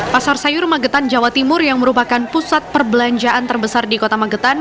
pasar sayur magetan jawa timur yang merupakan pusat perbelanjaan terbesar di kota magetan